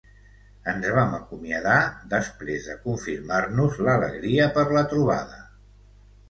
Ens vam acomiadar, després de confirmar-nos l'alegria per la trobada.